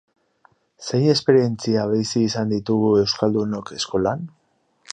Zein esperientzia bizi izan ditugu euskaldunok eskolan?